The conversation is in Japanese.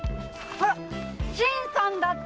あらっ⁉新さんだって！